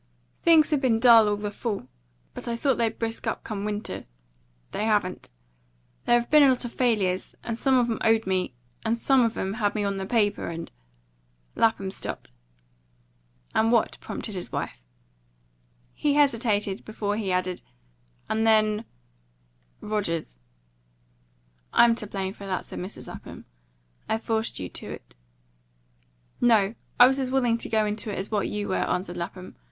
"Things have been dull all the fall, but I thought they'd brisk up come winter. They haven't. There have been a lot of failures, and some of 'em owed me, and some of 'em had me on their paper; and " Lapham stopped. "And what?" prompted his wife. He hesitated before he added, "And then Rogers." "I'm to blame for that," said Mrs. Lapham. "I forced you to it." "No; I was as willing to go into it as what you were," answered Lapham.